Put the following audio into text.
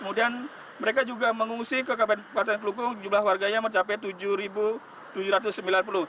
kemudian mereka juga mengungsi ke kabupaten kelukung jumlah warganya mencapai rp tujuh tujuh ratus sembilan puluh